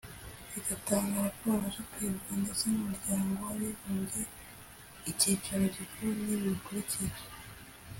bigatanga raporo zo kwibuka ndetse nUmuryango wabibumbye ikicaro gikuru nibi bikurikira